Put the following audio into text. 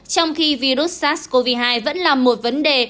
trong khi virus sars cov hai vẫn là một vấn đề